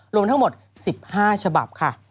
รวมทั้งหมด๑๕ฉบับค่ะ